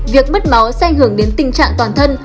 việc mất máu sẽ ảnh hưởng đến tình trạng toàn thân